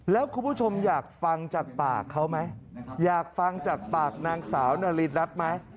แล้วคุณผู้ชมอยากฟังจากปากเขาไหมอยากฟังจากปากนางสาวนารินรัฐไหม